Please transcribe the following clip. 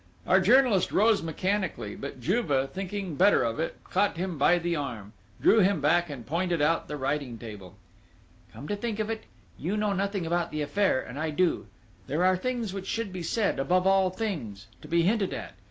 Our journalist rose mechanically; but Juve, thinking better of it, caught him by the arm, drew him back and pointed out the writing table. "Come to think of it, you know nothing about the affair, and I do: there are things which should be said, above all things, to be hinted at